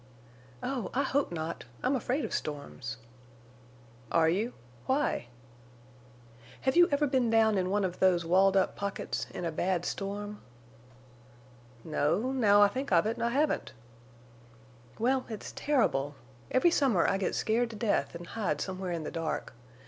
"Oh, I hope not. I'm afraid of storms." "Are you? Why?" "Have you ever been down in one of these walled up pockets in a bad storm?" "No, now I think of it, I haven't." "Well, it's terrible. Every summer I get scared to death and hide somewhere in the dark.